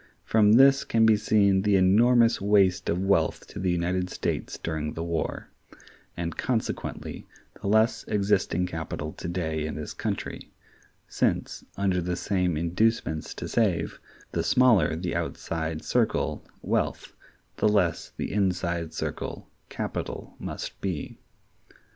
From this can be seen the enormous waste of wealth to the United States during the war, and consequently the less existing capital to day in this country; since, under the same inducements to save, the smaller the outside circle (wealth), the less the inside circle (capital) must be.